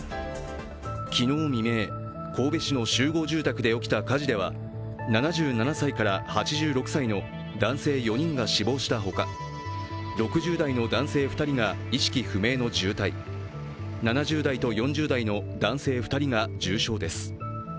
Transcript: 昨日未明神戸市の集合住宅で起きた火事では７７歳から８６歳の男性４人が死亡したほか、６０代の男性２人が意識不明の重体７０代と４０代の男性２人が重傷です。